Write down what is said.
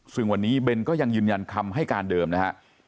ซึ่งวันนี้เบนก็ยังยืนยันคำให้การเดิมนะฮะ